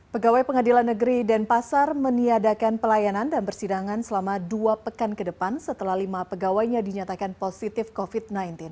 pegawai pengadilan negeri denpasar meniadakan pelayanan dan bersidangan selama dua pekan ke depan setelah lima pegawainya dinyatakan positif covid sembilan belas